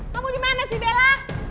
kamu dimana sih bella